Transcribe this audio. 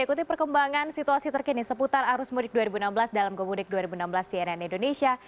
ikuti perkembangan situasi terkini seputar arus mudik dua ribu enam belas dalam gomudik dua ribu enam belas cnn indonesia